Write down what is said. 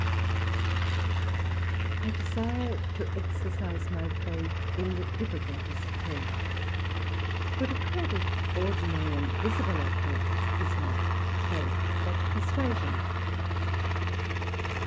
I desire to exercise my faith in the difficultest point; for to credit ordinary and visible objects is not faith, but perswasion.